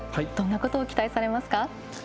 どんなこと期待されますか？